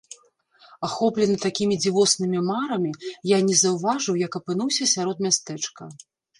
Ахоплены такімі дзівоснымі марамі, я не заўважыў, як апынуўся сярод мястэчка.